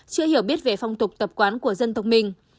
chưa hiểu biết về phong tục tập quán của dân tộc mình